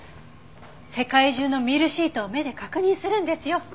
世界中のミルシートを目で確認するんですよ。